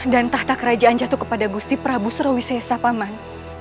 dan tahta kerajaan jatuh kepada gusti prabu sulawesi paman